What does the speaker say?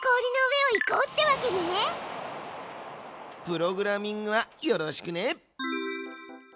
プログラミングはよろしくね！